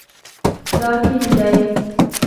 دا ټینګ دی